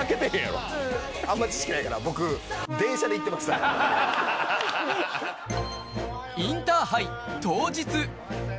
あんま知識ないから、僕、インターハイ当日。